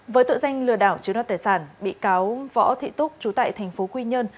với tội danh lừa đảo chiếu đoạt tài sản bị cáo võ thị túc trú tại thành phố quy nhơn